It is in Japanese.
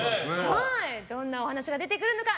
どんなお話が出てくるのか。